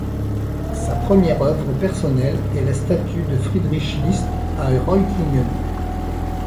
Sa première œuvre personnelle est la statue de Friedrich List à Reutlingen.